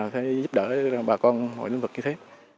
phải giúp đỡ bà con mọi lĩnh vực như thế